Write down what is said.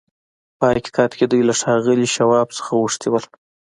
په حقيقت کې دوی له ښاغلي شواب څخه غوښتي وو.